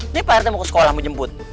ini prt mau ke sekolah mau jemput